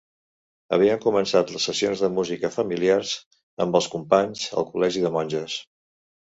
Havien començat les sessions de música familiars, amb els companys, al col·legi de monges.